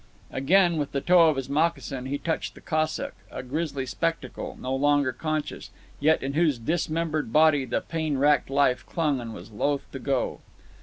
Again, with the toe of his moccasin, he touched the Cossack—a grisly spectacle, no longer conscious—yet in whose dismembered body the pain racked life clung and was loth to go.